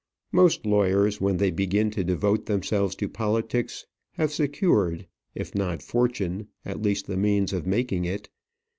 Most lawyers when they begin to devote themselves to politics have secured, if not fortune, at least the means of making it.